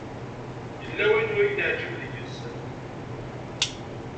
Yella wayen ur yi-neɛǧib deg-s.